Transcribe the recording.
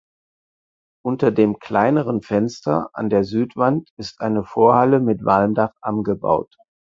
Unter dem kleineren Fenster an der Südwand ist eine Vorhalle mit Walmdach angebaut.